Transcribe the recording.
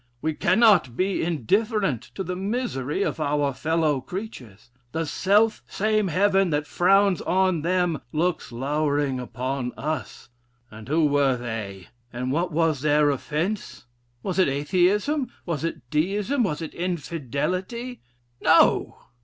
We cannot be indifferent to the misery of our fellow creatures. The self same Heaven that frowns on them, looks lowering upon us.' And who were they? and what was their offence? Was it Atheism! was it Deism' was it Infidelity? No!